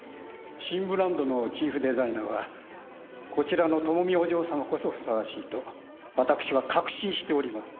新ブランドのチーフデザイナーはこちらの友美お嬢様こそふさわしいと私は確信しております。